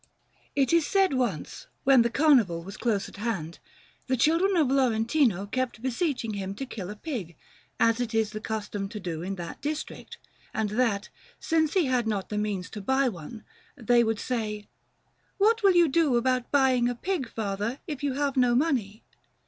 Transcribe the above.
Panel_)] It is said that once, when the Carnival was close at hand, the children of Lorentino kept beseeching him to kill a pig, as it is the custom to do in that district; and that, since he had not the means to buy one, they would say, "What will you do about buying a pig, father, if you have no money?"